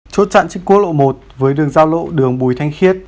chốt chặn trên quốc lộ một với đường giao lộ đường bùi thanh khiết